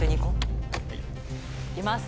いきます。